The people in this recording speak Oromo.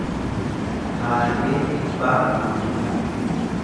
Taarikee Dhibbaa Guutuu